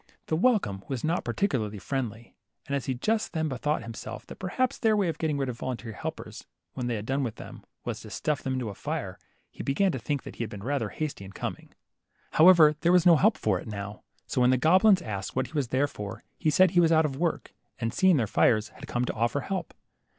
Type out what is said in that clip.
The welcome was not particularly friendly, and as he just then bethought himself that perhaps their way of getting • rid of voluntary helpers, when they had done with them, was to stuff them into a fire, he began to think he had been rather hasty in coming. However, there was no help for it now, so when the goblins asked what he was there for, he said he was out of work, and seeing their fires, had come to offer help.